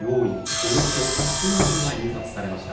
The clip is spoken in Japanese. およそ１００万部が印刷されました。